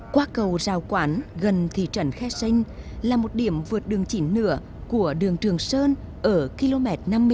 qua cầu giao quán gần thị trấn khe xanh là một điểm vượt đường chín nửa của đường trường sơn ở km năm mươi năm